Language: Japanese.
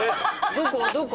どこ？